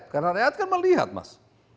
karena rakyat kan melihat mas